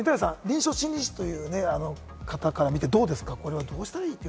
みたらしさん、臨床心理士という方から見てどうですか？